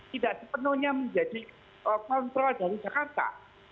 tidak sepenuhnya menjadi kontrol dari jakarta